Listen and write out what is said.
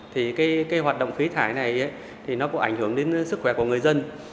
thì cái hoạt động khí thải này thì nó cũng ảnh hưởng đến sức khỏe của người dân